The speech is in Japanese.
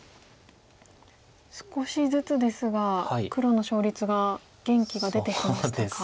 少しずつですが黒の勝率が元気が出てきましたか？